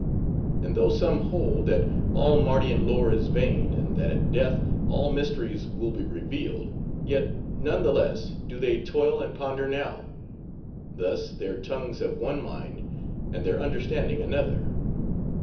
And though some hold, that all Mardian lore is vain, and that at death all mysteries will be revealed; yet, none the less, do they toil and ponder now. Thus, their tongues have one mind, and their understanding another."